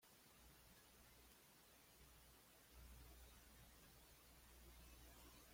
Él fue hallado dando la comunión a los enfermos.